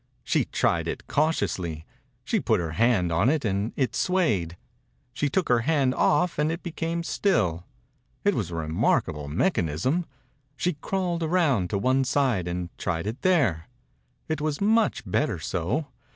She tried it cautiously. She put her hand on it and it swayed. She took her hand oiF and it became still. It was a remarkable mech anism. She crawled around to one side and tried it there. It was much better so.